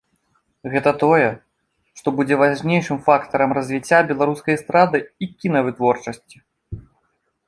Гэта тое, што будзе важнейшым фактарам развіцця беларускай эстрады і кінавытворчасці.